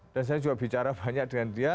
dan saya juga bicara banyak dengan dia